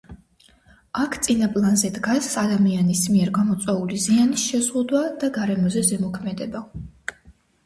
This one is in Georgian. აქ წინა პლანზე დგას ადამიანის მიერ გამოწვეული ზიანის შეზღუდვა და გარემოზე ზემოქმედება.